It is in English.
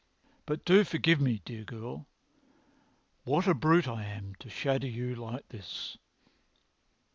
But do forgive me, dear girl! What a brute I am to shadow you like this."